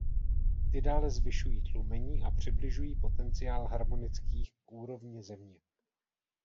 Ty dále zvyšují tlumení a přibližují potenciál harmonických k úrovni země.